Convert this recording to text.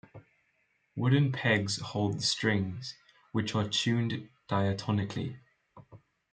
Wooden pegs hold the strings, which are tuned diatonically.